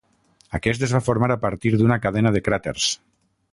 Aquest es va formar a partir d'una cadena de cràters.